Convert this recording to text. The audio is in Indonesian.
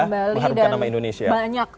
kembali dan banyak piala nantinya